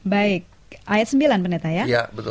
baik ayat sembilan peneta ya